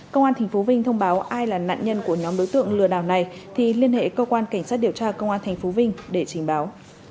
công an thành phố vinh thông báo ai là nạn nhân của nhóm đối tượng lừa đảo này thì liên hệ cơ quan cảnh sát điều tra công an thành phố vinh để trình báo